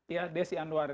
ya desi andwar